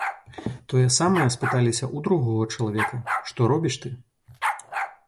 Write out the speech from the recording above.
Тое самае спыталіся ў другога чалавека, што робіш ты?